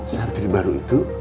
santri baru itu